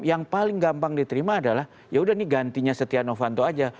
yang paling gampang diterima adalah yaudah ini gantinya setia novanto aja